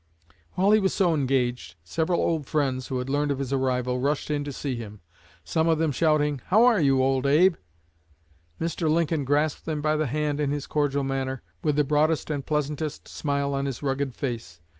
While he was so engaged, several old friends, who had learned of his arrival, rushed in to see him, some of them shouting, 'How are you, Old Abe?' Mr. Lincoln grasped them by the hand in his cordial manner, with the broadest and pleasantest smile on his rugged face.